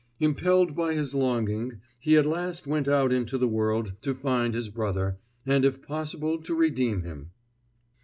Impelled by his longing, he at last went out into the world to find his brother, and if possible to redeem him.